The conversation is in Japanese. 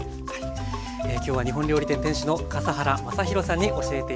今日は日本料理店店主の笠原将弘さんに教えて頂きました。